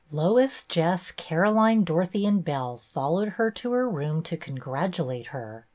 Lois, Jess, Caroline, Dorothy, and Belle followed her to her room to congratulate her.